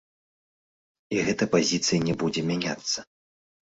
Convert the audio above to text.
І гэта пазіцыя не будзе мяняцца.